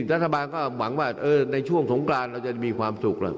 นี่ถึงรัฐบาลก็หวังว่าเออในช่วงสงการเราจะมีความสุขแล้ว